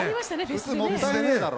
靴もったいねえだろ。